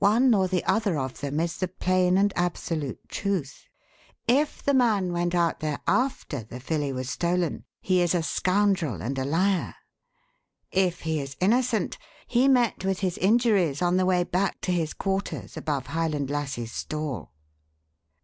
One or the other of them is the plain and absolute truth. If the man went out there after the filly was stolen he is a scoundrel and a liar. If he is innocent, he met with his injuries on the way back to his quarters above Highland Lassie's stall."